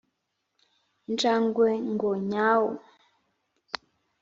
injangwe ngo nyawu